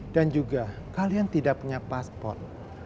dan juga kalian tidak punya paspor